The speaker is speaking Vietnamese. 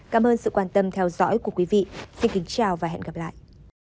cảm ơn sự quan tâm theo dõi của quý vị xin kính chào và hẹn gặp lại